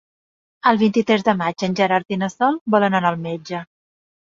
El vint-i-tres de maig en Gerard i na Sol volen anar al metge.